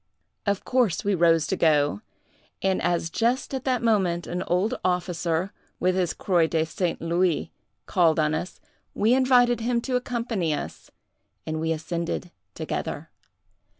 "Of course we rose to go; and as just at that moment an old officer, with his Croix de St. Louis, called on us, we invited him to accompany us and we ascended together.